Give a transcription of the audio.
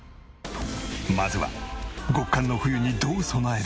まずは極寒の冬にどう備える？